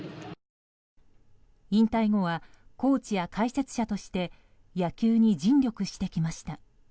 引退後はコーチや解説者として野球に尽力してきました。